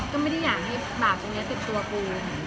ก็ไม่ได้อยากให้บาปตรงนี้ติดตัวปู